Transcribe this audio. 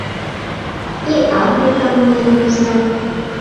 И Африка мне не нужна.